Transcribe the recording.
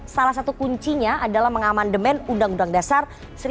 salah satu kuncinya adalah mengamandemen undang undang dasar seribu sembilan ratus empat puluh